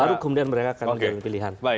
baru kemudian mereka akan menjamin pilihan